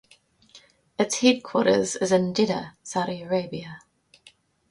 Its headquarters is in Jeddah, Saudi Arabia.